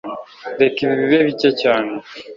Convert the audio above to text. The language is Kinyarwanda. Reka ibi bibe bike cyane